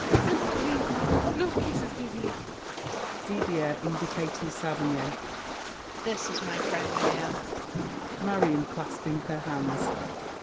And for me No kisses, Didier! DIDIER (indicating Saverny). This is my friend, madame! MARION (clasping her hands).